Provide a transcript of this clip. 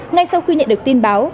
ngay sau khi nhận được tin báo